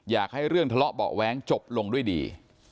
อยากให้เรื่องทะเลาะเบาะแว้งจบลงด้วยดี